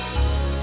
suhu bahasa arif